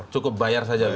cukup bayar saja